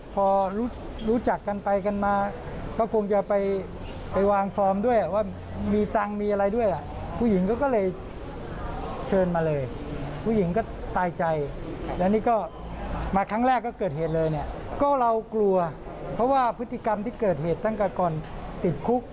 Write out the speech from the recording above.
พฤติกรรมที่เกิดเหตุตั้งแต่ก่อนติดคุก